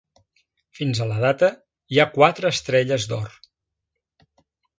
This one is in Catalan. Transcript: Fins a la data, hi ha quatre estrelles d'or.